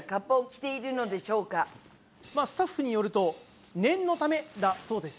まあスタッフによると「念のため」だそうです！